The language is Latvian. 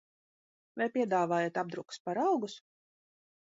Vai piedāvājat apdrukas paraugus?